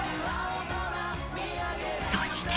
そして